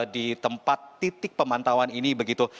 di tempat titik pemantauan ini begitu